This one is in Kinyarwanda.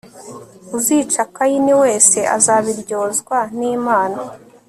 uzica kayini wese azabiryozwa n'imana